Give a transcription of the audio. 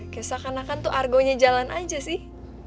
kayak seakan akan tuh argonya jalan aja sih